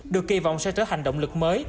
được kỳ vọng sẽ trở thành động lực mới